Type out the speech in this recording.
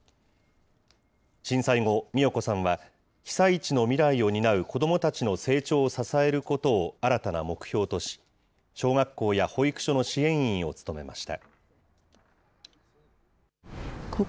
震災後、美代子さんは被災地の未来を担う子どもたちの成長を支えることを新たな目標とし、小学校や保育所の支援員を務めました。